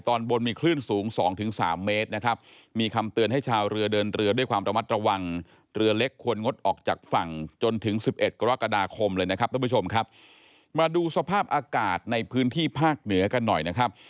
ตอนบนมีคลื่นสูง๒๓เมตรนะครับ